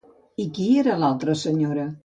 I qui era l'altra senyora?